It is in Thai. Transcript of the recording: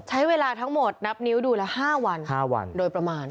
ใช้เวลาทั้งหมดนับนิ้วดูละ๕วัน๕วันโดยประมาณ